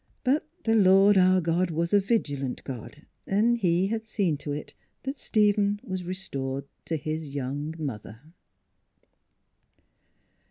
But the Lord our God was a vigilant God, and He had seen to it that Stephen was restored to his young mother.